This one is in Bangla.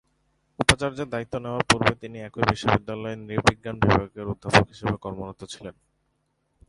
উপাচার্যের দায়িত্ব নেয়ার পূর্বে তিনি একই বিশ্ববিদ্যালয়ের নৃ-বিজ্ঞান বিভাগের অধ্যাপক হিসেবে কর্মরত ছিলেন।